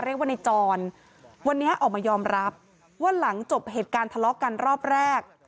เรียกว่าในจรวันนี้ออกมายอมรับว่าหลังจบเหตุการณ์ทะเลาะกันรอบแรก